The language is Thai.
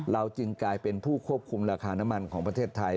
จึงกลายเป็นผู้ควบคุมราคาน้ำมันของประเทศไทย